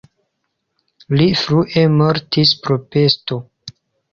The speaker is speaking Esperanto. Li frue mortis pro pesto.